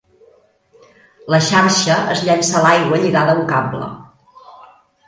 La xarxa es llença a l'aigua lligada a un cable.